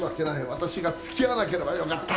わたしがつきあわなければよかった。